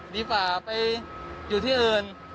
ดีกว่าไปอยู่ที่อื่น